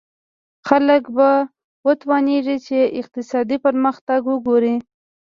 خلک به وتوانېږي چې اقتصادي پرمختګ وګوري.